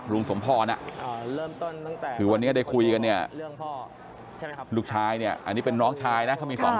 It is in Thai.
รุงสมพ่อนะคือวันนี้ได้คุยกับเนี่ย